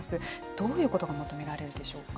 どういうことが求められるでしょうか。